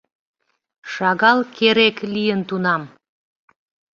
Шагал керек лийын тунам.